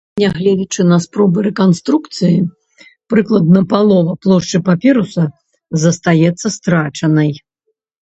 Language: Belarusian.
Нягледзячы на спробы рэканструкцыі, прыкладна палова плошчы папіруса застаецца страчанай.